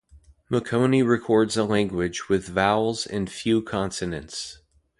Machoni records a language with vowels and few consonants.